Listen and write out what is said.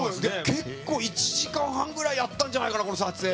結構、１時間半ぐらいやったんじゃないかな撮影。